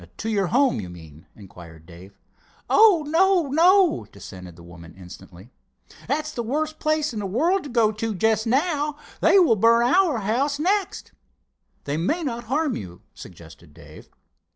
"To your home, do you mean?" inquired Dave. "Oh, no, no," dissented the woman instantly. "That is the worst place in the world to go to just now. They will burn our house next." "They may not harm you," suggested Dave.